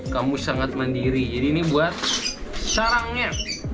kamu sangat mandiri jadi ini buat sarangnya